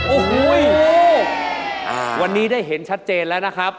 โอ้โหวันนี้ได้เห็นชัดเจนแล้วนะครับ